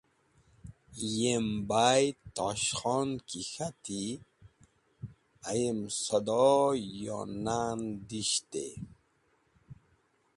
Yem bayd yem Tosh Khon ki k̃hati, ayem sado yem nan dishtey.